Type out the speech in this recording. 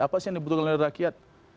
apa sih yang dibutuhkan oleh rakyat